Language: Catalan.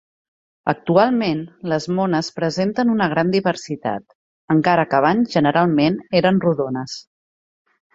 Actualment, les mones presenten una gran diversitat, encara que abans generalment eren rodones.